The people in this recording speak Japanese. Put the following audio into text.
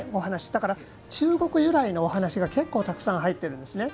だから、中国由来のお話がたくさん入ってるんですね。